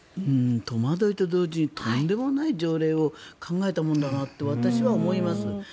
戸惑いと同時にとんでもない条例を考えたものだなと私は思います。